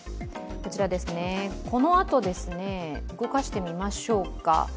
このあと、動かしてみましょうか。